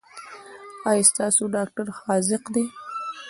ایا ستاسو ډاکټر حاذق دی؟